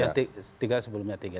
yang tiga sebelumnya tidak